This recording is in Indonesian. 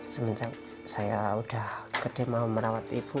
semenjak saya udah gede mau merawat ibu